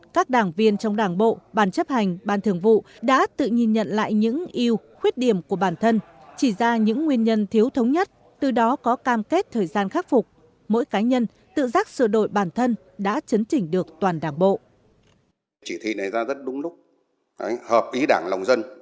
các đảng viên trong đảng bộ ban chấp hành ban thường vụ đã tự nhìn nhận lại những yêu khuyết điểm của bản thân chỉ ra những nguyên nhân thiếu thống nhất từ đó có cam kết thời gian khắc phục mỗi cá nhân tự giác sửa đổi bản thân đã chấn chỉnh được toàn đảng bộ